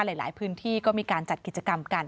หลายพื้นที่ก็มีการจัดกิจกรรมกัน